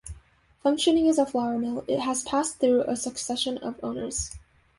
Functioning as a flour mill, it has passed through a succession of owners.